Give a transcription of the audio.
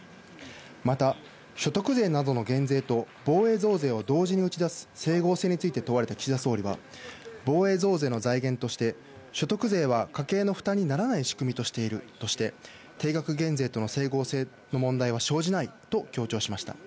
また、所得税などの減税と防衛増税を同時に打ち出す整合性について問われた岸田総理は、防衛増税の財源として、所得税は家計の負担にならない仕組みとしているとして、定額減税との整合性の問題は生じないと強調しました。